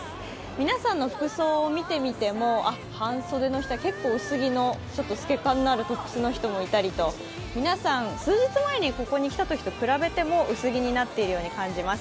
皆さんの服装を見てみても半袖の人、結構薄着のちょっと透け感のあるトップスの人もいたりと、皆さん数日前にここに来たときと比べても薄着になってるように感じます。